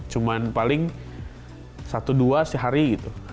cuma paling satu dua sehari gitu